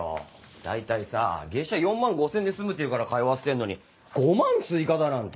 大体さ月謝４万５０００円で済むっていうから通わせてんのに５万追加だなんて。